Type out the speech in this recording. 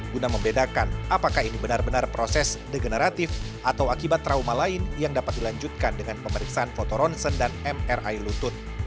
guna membedakan apakah ini benar benar proses degeneratif atau akibat trauma lain yang dapat dilanjutkan dengan pemeriksaan fotoronsen dan mri lutut